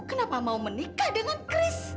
kenapa mau menikah dengan chris